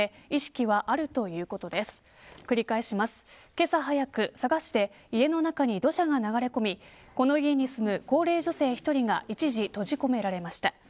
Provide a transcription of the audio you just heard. けさ早く、佐賀市で家の中に土砂が流れ込みこの家に住む高齢女性１人が一時、閉じ込められました。